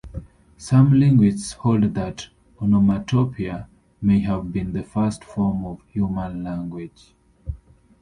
Some linguists hold that onomatopoeia may have been the first form of human language.